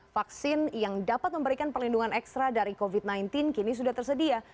vaksin yang dapat memberikan perlindungan ekstra dari covid sembilan belas kini sudah tersedia